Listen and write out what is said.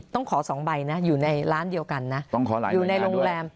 ต้องขอสองใบนะอยู่ในร้านเดียวกันนะ